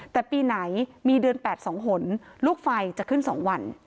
แต่ปีไหนมีเดือน๘๒หนลูกไฟจะขึ้น๒วัน